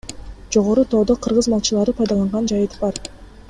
Жогору тоодо — кыргыз малчылары пайдаланган жайыт бар.